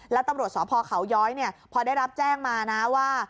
แล้วตำรวจสพเขาย้อยพอได้รับแจ้งมานะว่า